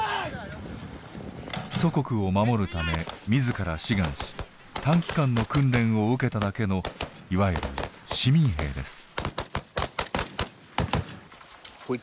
祖国を守るため自ら志願し短期間の訓練を受けただけのいわゆる市民兵です。